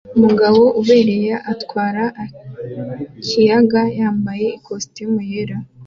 Umugabo ubereye atwara ikiyaga yambaye ikositimu yera